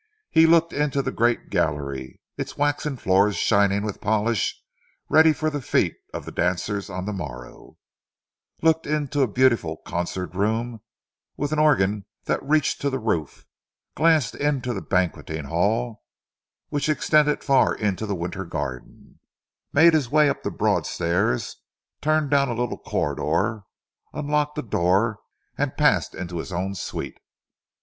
He looked into the great gallery, its waxen floors shining with polish, ready for the feet of the dancers on the morrow; looked into a beautiful concert room, with an organ that reached to the roof; glanced into the banquetting hall, which extended far into the winter garden; made his way up the broad stairs, turned down a little corridor, unlocked a door and passed into his own suite.